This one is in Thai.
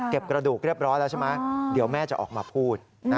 กระดูกเรียบร้อยแล้วใช่ไหมเดี๋ยวแม่จะออกมาพูด